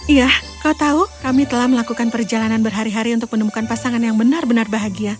iya kau tahu kami telah melakukan perjalanan berhari hari untuk menemukan pasangan yang benar benar bahagia